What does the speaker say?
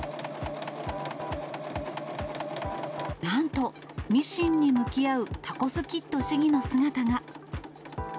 なんと、ミシンに向き合うタコスキッド市議の姿が。